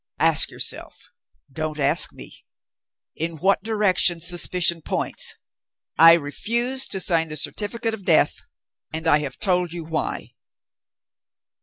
Ask yourself don't ask me in what direction suspicion points. I refuse to sign the certificate of death; and I have told you why."